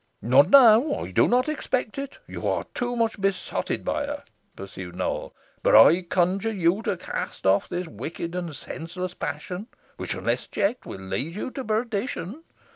"Not now I do not expect it you are too much besotted by her," pursued Nowell; "but I conjure you to cast off this wicked and senseless passion, which, unless checked, will lead you to perdition.